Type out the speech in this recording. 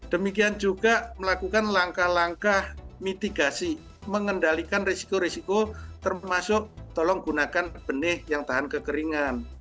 demikian juga melakukan langkah langkah mitigasi mengendalikan risiko risiko termasuk tolong gunakan benih yang tahan kekeringan